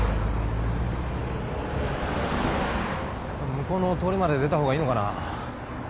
向こうの通りまで出たほうがいいのかな。